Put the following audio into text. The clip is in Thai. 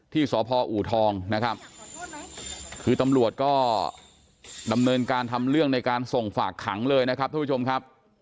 สพอูทองนะครับคือตำรวจก็ดำเนินการทำเรื่องในการส่งฝากขังเลยนะครับทุกผู้ชมครับ